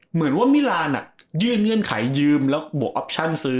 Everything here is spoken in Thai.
เหมือนว่ามิลานยื่นเงื่อนไขยืมแล้วบวกออปชั่นซื้อ